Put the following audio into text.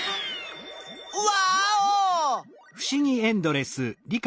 ワーオ！